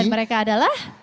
dan mereka adalah